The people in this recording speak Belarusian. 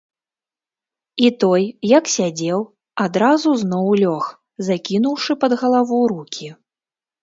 І той, як сядзеў, адразу зноў лёг, закінуўшы пад галаву рукі.